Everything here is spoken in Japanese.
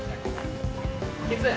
きつい。